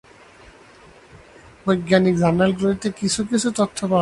বৈজ্ঞানিক জার্নালগুলিতে কিছু কিছু তথ্য পাওয়া যায়।